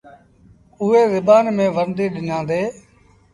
اُئي زبآن ميݩ ورنديٚ ڏنآندي۔